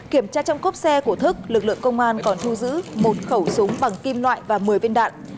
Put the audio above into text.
kiểm tra trong cốp xe của thức lực lượng công an còn thu giữ một khẩu súng bằng kim loại và một mươi viên đạn